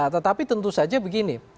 tetapi tentu saja begini